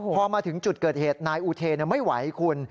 พอมาถึงจุดเกิดเหตุนายอูเทไม่ไหวคุณ